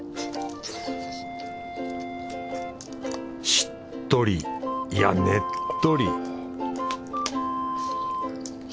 しっとりいやねっとり